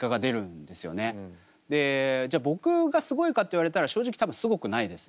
でじゃ僕がすごいかって言われたら正直多分すごくないです。